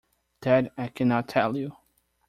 That I cannot tell you.